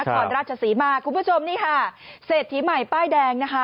ขอราชศรีมาคุณผู้ชมนี่ค่ะเศรษฐีใหม่ป้ายแดงนะคะ